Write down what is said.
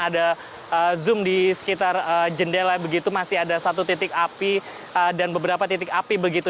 ada zoom di sekitar jendela begitu masih ada satu titik api dan beberapa titik api begitu